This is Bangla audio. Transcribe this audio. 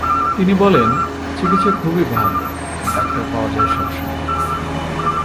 তিনি বলেন, চিকিৎসা খুবই ভালো, ডাক্তার পাওয়া যায় সব সময়।